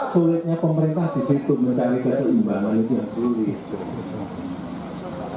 sulitnya pemerintah disitu mencari kesimbangan itu yang sulit